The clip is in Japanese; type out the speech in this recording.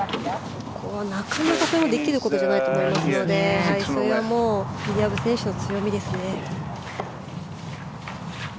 なかなかできることじゃないと思いますのでそれはリリア・ブ選手の強みですね。